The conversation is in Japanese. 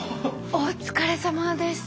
お疲れさまです。